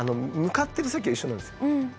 向かってる先は一緒なんですよ。